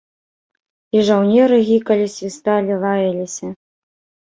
І жаўнеры гікалі, свісталі, лаяліся.